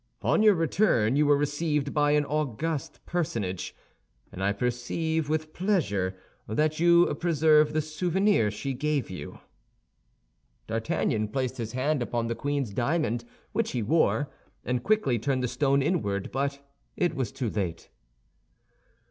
On your return you were received by an august personage, and I perceive with pleasure that you preserve the souvenir she gave you." D'Artagnan placed his hand upon the queen's diamond, which he wore, and quickly turned the stone inward; but it was too late.